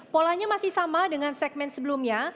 polanya masih sama dengan segmen sebelumnya